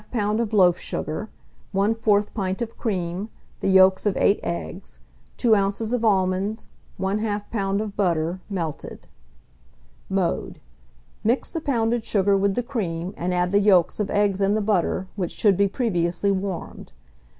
of loaf sugar, 1/4 pint of cream, the yolks of 8 eggs, 2 oz. of almonds, 1/2 lb. of butter, melted. Mode. Mix the pounded sugar with the cream, and add the yolks of eggs and the butter, which should be previously warmed.